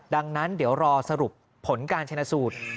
ดังนั้นเดี๋ยวรอสรุปผลการชนะสูตร